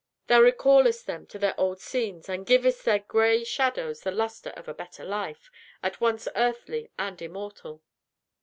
Thou recallest them to their old scenes, and givest their gray shadows the lustre of a better life, at once earthly and immortal.